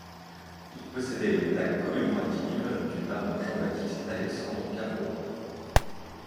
Il possédait une plaque commémorative du baron Jean-Baptiste Alexandre Cavrois.